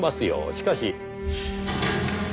しかし。